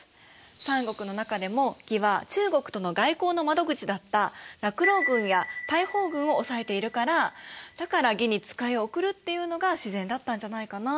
三国の中でも魏は中国との外交の窓口だった楽浪郡や帯方郡を押さえているからだから魏に使いを送るっていうのが自然だったんじゃないかな？